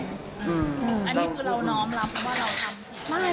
อันนี้คือเราน้อมรับว่าเราทำผิด